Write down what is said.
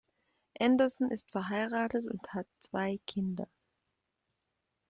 Anderson ist verheiratet und hat zwei Kinder.